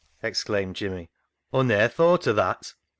exclaimed Jimmy, " Aw ne'er thowt o' that.